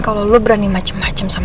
kalau lo berani macem macem sama gue